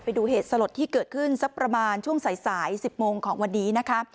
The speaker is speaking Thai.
ไปดูเหตุสลดที่เกิดขึ้นสักประมาณช่วงสาย๑๐โมงของวันนี้นะคะ